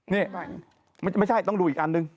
นี่ไม่ใช่ต้องดูอีกอันนึง